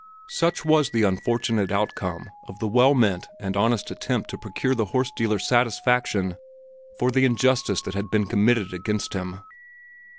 Such was the unfortunate outcome of the well meant and honest attempt to procure the horse dealer satisfaction for the injustice that had been committed against him.